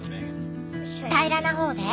平らな方で？